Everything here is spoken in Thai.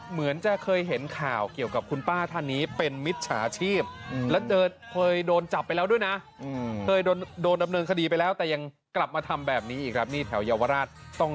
เอ้าเดี๋ยวคุณเอท่าไหนคุ้นแบบดีหรือคุณแบบไม่ดีดอง